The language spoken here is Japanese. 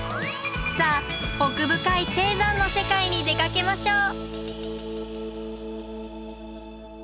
さあ奥深い低山の世界に出かけましょう！